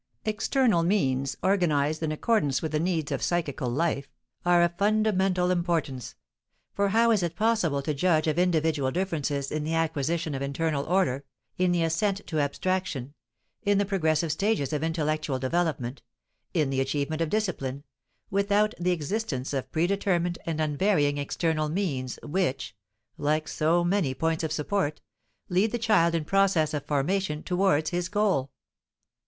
"External means," organized in accordance with the needs of psychical life, are of fundamental importance; for how is it possible to judge of individual differences in the acquisition of internal order, in the ascent to abstraction, in the progressive stages of intellectual development, in the achievement of discipline, without the existence of pre determined and unvarying external means which, like so many points of support, lead the child in process of formation towards his goal?